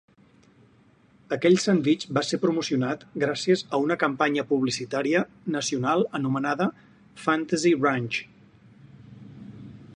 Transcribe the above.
Aquell sandvitx va ser promocionat gràcies a una campanya publicitària nacional anomenada "Fantasy Ranch".